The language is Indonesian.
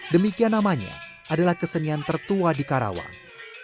demikian namanya adalah kesenian tertua di karawang